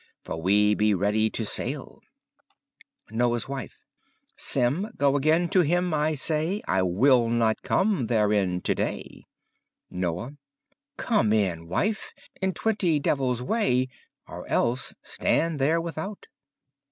For we bene readye to sayle. Noye's Wiffe Seme, goe againe to hym, I saie; I will not come theirin to daye. Noye Come in, wiffe, in twentye devilles waye! Or elles stand there without.